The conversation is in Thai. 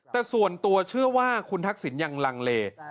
แต่ส่วนตัวเชื่อว่าคุณทักษิณยังลังเล